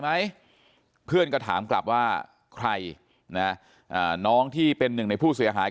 ไหมเพื่อนก็ถามกลับว่าใครนะน้องที่เป็นหนึ่งในผู้เสียหาย